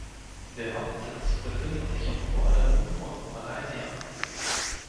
Der Hauptsitz befindet sich in Kuala Lumpur, Malaysia.